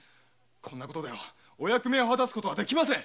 これではお役目を果たすことはできません。